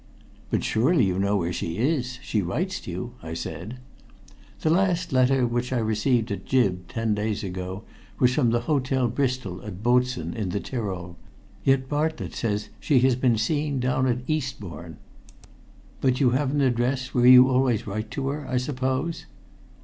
"But surely you know where she is? She writes to you," I said. "The last letter, which I received at Gib. ten days ago, was from the Hotel Bristol, at Botzen, in the Tyrol, yet Bartlett says she has been seen down at Eastbourne." "But you have an address where you always write to her, I suppose?"